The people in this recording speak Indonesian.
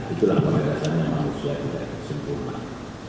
itulah kebebasannya manusia tidak kesempurnaan